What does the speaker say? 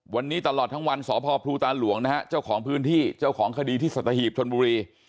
วันนี้ตลอดทั้งวันสพพลูตาหลวงนะฮะเจ้าของพื้นที่เจ้าของคดีที่สัตหีบชนบุรี